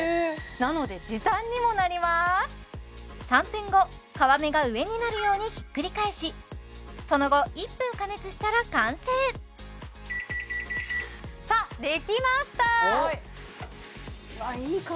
なので時短にもなります３分後皮目が上になるようにひっくり返しその後１分加熱したら完成できましたね